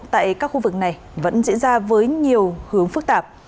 tại các khu vực này vẫn diễn ra với nhiều hướng phức tạp